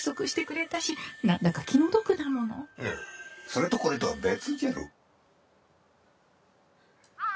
それとこれとは別じゃろ